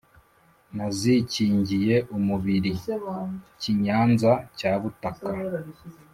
Nazikingiye umubiri Kinyanza cya Butaka,